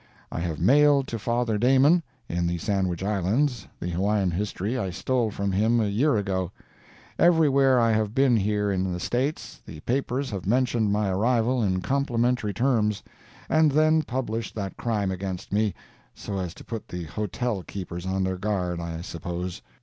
I have mailed to Father Damon, in the Sandwich Islands, the Hawaiian History I stole from him a year ago. Everywhere I have been here in the States, the papers have mentioned my arrival in complimentary terms, and then published that crime against me—so as to put the hotel keepers on their guard, I suppose.